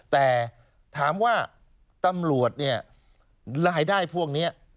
แต่ถามว่าตำรวจเนี่ยรายได้พวกนี้